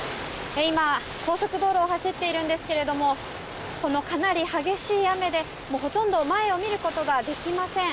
今、高速道路を走っているんですけどもかなり激しい雨で、ほとんど前を見ることができません。